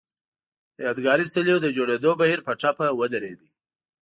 د یادګاري څليو د جوړېدو بهیر په ټپه ودرېد.